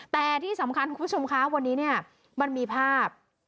แต่ที่สำคัญคุณผู้ชมคะวันนี้เนี่ยมันมีภาพ